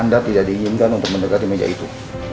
anda tidak diinginkan untuk mendekati meja itu